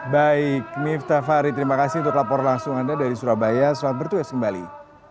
baik miftah fahri terima kasih untuk lapor langsung anda dari surabaya selamat bertuas kembali